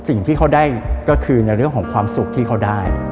สิ่งที่เขาได้ก็คือในเรื่องของความสุขที่เขาได้